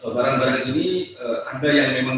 barang barang ini ada yang memang